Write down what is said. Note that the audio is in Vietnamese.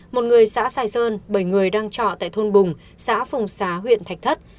một người xã sài sơn bảy người đang trọ tại thôn bùng xã phùng xá huyện thạch thất